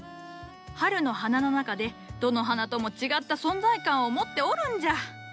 春の花の中でどの花とも違った存在感を持っておるんじゃ。